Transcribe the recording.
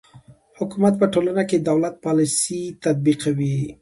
حکومت په ټولنه کې د دولت پالیسي تطبیقوي.